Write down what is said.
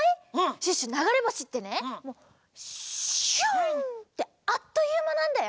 シュッシュながれぼしってねもうシュッてあっというまなんだよ！